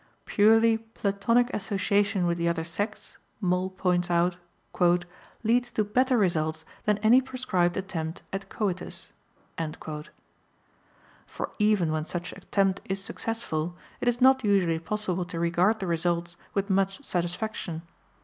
Purely "Platonic association with the other sex," Moll points out, "leads to better results than any prescribed attempt at coitus." For even when such attempt is successful, it is not usually possible to regard the results with much satisfaction.